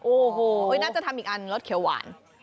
โอ้โหน่าจะทำอีกอันรสเขียวหวาน